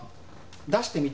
出してみて。